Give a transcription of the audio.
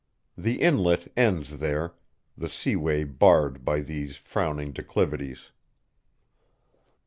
The Inlet ends there, the seaway barred by these frowning declivities.